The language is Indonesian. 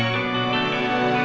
aku mau ke rumah